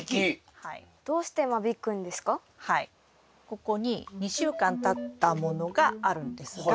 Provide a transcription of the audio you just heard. ここに２週間たったものがあるんですが。